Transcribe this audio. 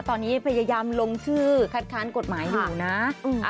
ตอนนี้พยายามลงชื่อคัดค้านกฎหมายอยู่นะ